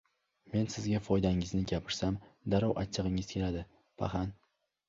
— Men sizga foydangizni gapirsam, darrov achchig‘ingiz keladi, paxan!